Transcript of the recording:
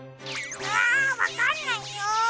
うんわかんないよ！